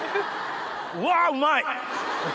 うわうまい！